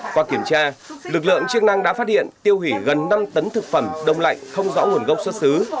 qua kiểm tra lực lượng chức năng đã phát hiện tiêu hủy gần năm tấn thực phẩm đông lạnh không rõ nguồn gốc xuất xứ